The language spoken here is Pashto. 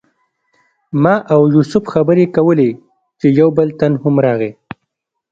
ما او یوسف خبرې کولې چې یو بل تن هم راغی.